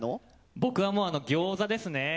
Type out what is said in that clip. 僕はギョーザですね。